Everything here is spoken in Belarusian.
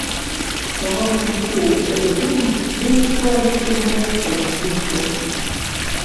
Схаваўшы ўсё ў сябе дома, ён адправіўся гуляць па начным горадзе.